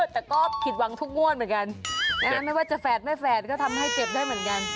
แต่ก็ผิดหวังทุกงวดเหมือนกันไม่ว่าจะแฝดไม่แฝดก็ทำให้เจ็บได้เหมือนกัน